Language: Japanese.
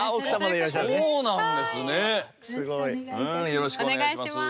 よろしくお願いします。